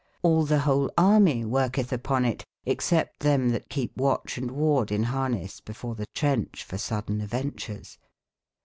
Hll tbe wbole armye worketb upon it: excepte tbem tbat Nepe watcbe and warde in bar neis before tbe trencbe for sodeineaven/ tures.